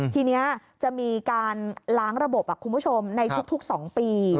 ทีนี้จะมีการล้างระบบคุณผู้ชมในทุก๒ปี